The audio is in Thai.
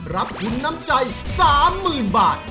รับทุนน้ำใจ๓๐๐๐บาท